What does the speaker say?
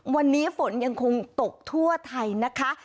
วันนี้ฝนยังคงตกทั่วไทยนะคะ